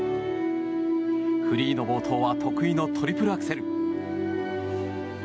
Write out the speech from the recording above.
フリーの冒頭は得意のトリプルアクセル。